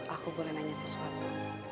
aku boleh nanya sesuatu